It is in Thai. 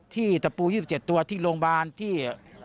ตะปู๒๗ตัวที่โรงพยาบาลที่